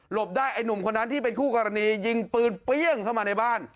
บได้ไอ้หนุ่มคนนั้นที่เป็นคู่กรณียิงปืนเปรี้ยงเข้ามาในบ้าน